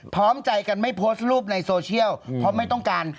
พร้อมใจกันไม่โพสต์รูปในโซเชียลเพราะไม่ต้องการ